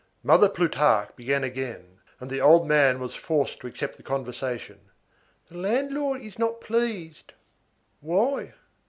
Mother Plutarque began again, and the old man was forced to accept the conversation:— "The landlord is not pleased." "Why?"